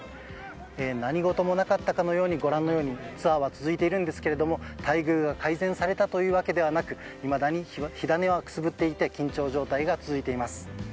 何事もなかったかのようにツアーは続いていますが待遇が改善されたわけではなくいまだに火種はくすぶっていて緊張状態が続いています。